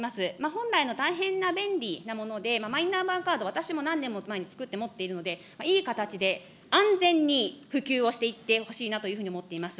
本来の大変な便利なもので、マイナンバーカード、私も何年も前に作って持っているので、いい形で安全に普及をしていってほしいなと思います。